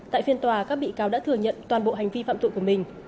tại phiên tòa các bị cáo đã thừa nhận toàn bộ hành vi phạm tội của mình